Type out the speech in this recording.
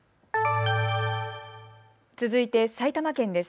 続いて埼玉県です。